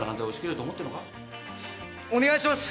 お願いします！